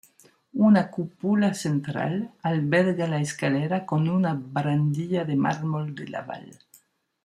Una cúpula central alberga la escalera con una barandilla de mármol de Laval.